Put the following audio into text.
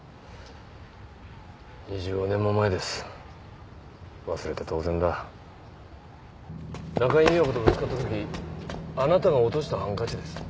２５年も前です忘れて当然だ中井美和子とぶつかった時あなたが落としたハンカチです